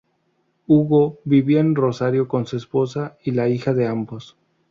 Hugo vivía en Rosario con su esposa y la hija de ambos.